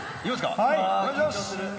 お願いします！